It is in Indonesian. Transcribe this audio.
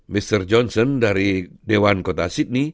mr johnson dari dewan kota sydney